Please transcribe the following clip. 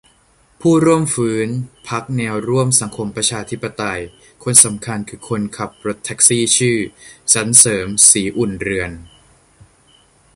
"ผู้ร่วมฟื้น พรรคแนวร่วมสังคมประชาธิปไตย คนสำคัญ คือ คนขับแท็กซีชื่อ สรรเสริญ ศรีอุ่นเรือน"